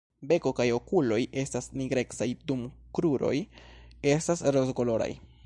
Beko kaj okuloj estas nigrecaj, dum kruroj estas rozkoloraj.